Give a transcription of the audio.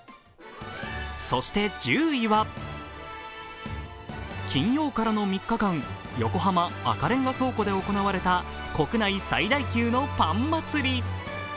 そして１０位は、金曜からの３日間、横浜・赤レンガ倉庫で行われた国内最大級のパン祭り。